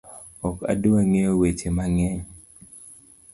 Ok adwa ng'eyo weche mang'eny